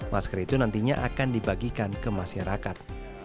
masker itu nantinya akan dibagikan ke masyarakat